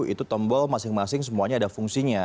itu tombol masing masing semuanya ada fungsinya